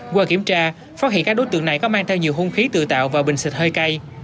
qua kiểm tra phát hiện các đối tượng này có mang theo nhiều hung khí tự tạo và bình xịt hơi cay